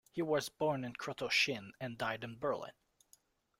He was born in Krotoschin and died in Berlin.